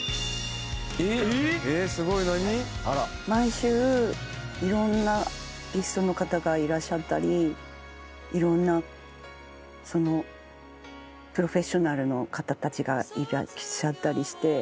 毎週いろんなゲストの方がいらっしゃったりいろんなプロフェッショナルの方たちがいらっしゃったりして。